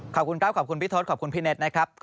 ขอบคุณครับขอบคุณพี่โทษขอบคุณพี่เน็ต